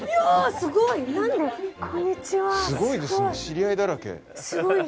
すごい！知り合いだらけ。